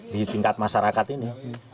di tingkat masyarakat ini